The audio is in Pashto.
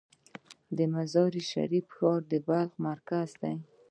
د مزار شریف ښار د بلخ مرکز دی